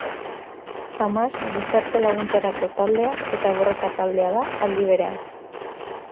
Hamas gizarte laguntzarako taldea eta borroka taldea da aldi berean.